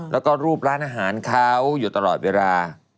แล้วก็รูปร้านอาหารเขาอยู่ตลอดเวลา